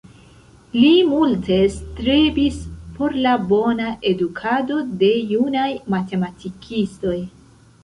Li multe strebis por la bona edukado de junaj matematikistoj.